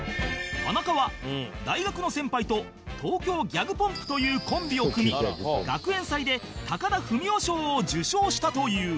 田中は大学の先輩と東京ギャグポンプというコンビを組み学園祭で高田文夫賞を受賞したという